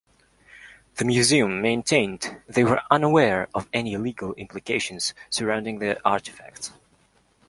The Museum maintained they were unaware of any legal implications surrounding the artifacts.